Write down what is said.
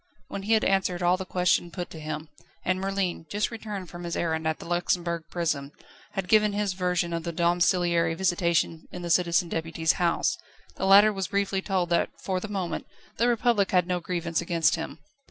When he had answered all the questions put to him, and Merlin just returned from his errand at the Luxembourg Prison had given his version of the domiciliary visitation in the Citizen Deputy's house, the latter was briefly told that for the moment the Republic had no grievance against him.